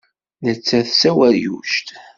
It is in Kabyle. Nettat d taweryuct.